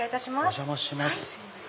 お邪魔します。